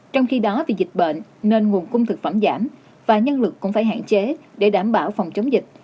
trong khi đó vì dịch bệnh nên nguồn cung thực phẩm giảm và nhân lực cũng phải hạn chế để đảm bảo phòng chống dịch